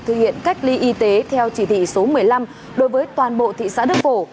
thực hiện cách ly y tế theo chỉ thị số một mươi năm đối với toàn bộ thị xã đức phổ